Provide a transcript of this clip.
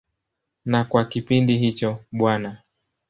Na kwa kipindi hicho Bw.